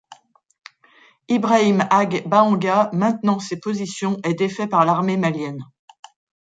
Ibrahim Ag Bahanga, maintenant ses positions, est défait par l'armée malienne.